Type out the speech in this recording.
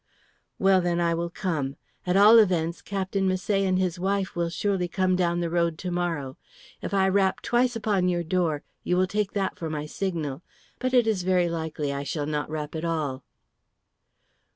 "Well, then, I will come. At all events, Captain Misset and his wife will surely come down the road to morrow. If I rap twice upon your door, you will take that for my signal. But it is very likely I shall not rap at all."